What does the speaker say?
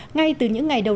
ngay từ những ngày đầu